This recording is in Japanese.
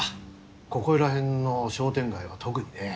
ここいら辺の商店街は特にね。